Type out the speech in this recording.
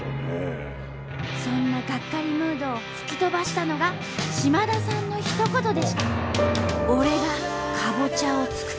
そんながっかりムードを吹き飛ばしたのが島田さんのひと言でした。